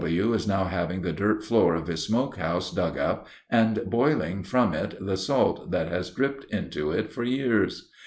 W. is now having the dirt floor of his smoke house dug up and boiling from it the salt that has dripped into it for years.